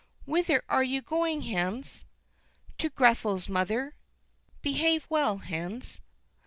"Whither are you going, Hans?" "To Grethel's, mother." "Behave well, Hans."